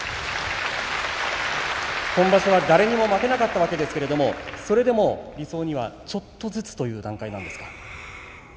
今場所は誰にも負けなかったわけですけれどそれでも理想にはちょっとずつという段階なんですか。